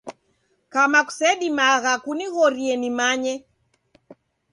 Kama kusedimagha kunighorie nimanye.